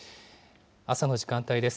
朝の時間帯です。